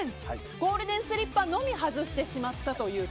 ゴールデンスリッパのみ外してしまったという。